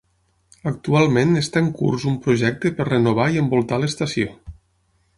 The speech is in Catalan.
Actualment està en curs un projecte per renovar i envoltar l'estació.